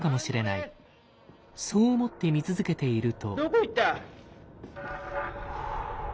そう思って見続けていると。